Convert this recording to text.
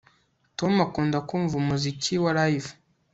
Tom akunda kumva umuziki wa Live